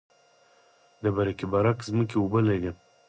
د برکي برک ځمکې اوبه لري